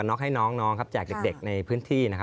สนุนโดยอีซุสุข